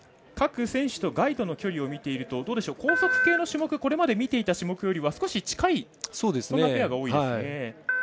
各選手とガイドの距離を見ていると高速系の種目これまで見ていた種目よりは少し近いペアが多いですね。